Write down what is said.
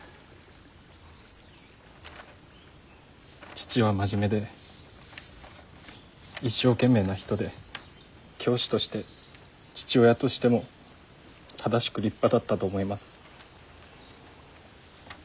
父は真面目で一生懸命な人で教師として父親としても正しく立派だったと思います。